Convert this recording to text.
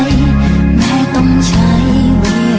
ให้เธอดูแลไว้ตั้งแต่วันที่เราพบกัน